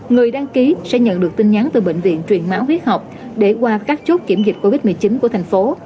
người đăng ký sẽ nhận được tin nhắn từ bệnh viện truyền máu huyết học để qua các chốt kiểm dịch covid một mươi chín của thành phố